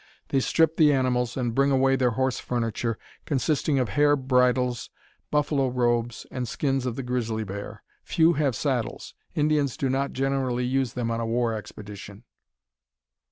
They strip the animals, and bring away their horse furniture, consisting of hair bridles, buffalo robes, and skins of the grizzly bear. Few have saddles. Indians do not generally use them on a war expedition.